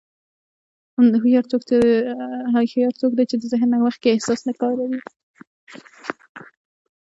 هوښیار څوک دی چې د ذهن نه مخکې احساس نه کاروي.